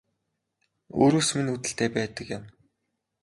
Өөрөөс минь үүдэлтэй байдаг юм